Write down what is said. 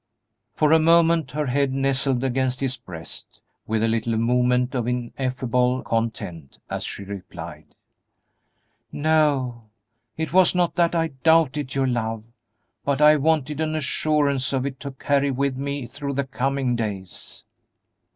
For a moment her head nestled against his breast with a little movement of ineffable content, as she replied, "No; it was not that I doubted your love, but I wanted an assurance of it to carry with me through the coming days."